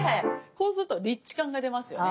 こうするとリッチ感が出ますよね？